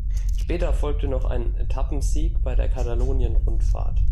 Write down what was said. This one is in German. Später folgte noch ein Etappensieg bei der Katalonien-Rundfahrt.